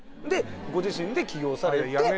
ご自身で起業されて。